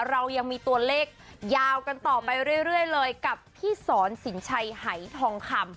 เรายังมีตัวเลขยาวกันต่อไปเรื่อยเลยกับพี่สอนสินชัยหายทองคำ